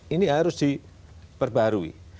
ini harus diperbarui